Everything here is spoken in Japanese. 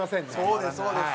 そうですそうです。